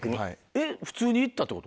えっ普通に行ったってこと？